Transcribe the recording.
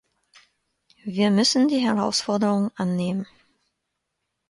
Wir müssen die Herausforderung annehmen.